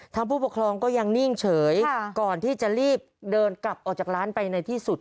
ผู้ปกครองก็ยังนิ่งเฉยก่อนที่จะรีบเดินกลับออกจากร้านไปในที่สุด